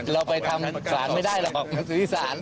เราไปทำสารไม่ได้หรอกซื้อสาร